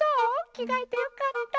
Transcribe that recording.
きがえてよかった。